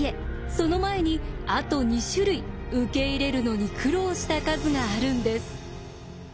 その前にあと２種類受け入れるのに苦労した数があるんです。